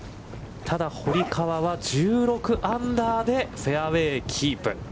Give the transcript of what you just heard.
ただ、堀川は１６アンダーでフェアウェイキープ。